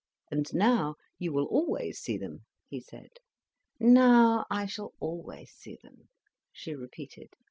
"And now you will always see them," he said. "Now I shall always see them," she repeated.